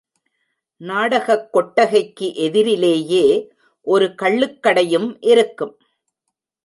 நாடகக் கொட்டகைக்கு எதிரிலேயே ஒரு கள்ளுக் கடையும் இருக்கும்.